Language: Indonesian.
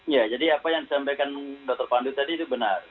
ya jadi apa yang disampaikan dr pandu tadi itu benar